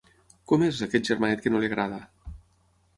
Com és, aquest germanet que no li agrada?